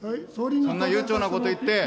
そんな悠長なこと言って。